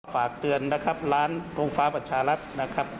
ฝากเตือนนะครับร้านโรงฟ้าประชารัฐนะครับ